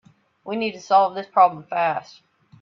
We need to solve this problem fast.